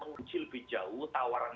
mengunci lebih jauh tawaran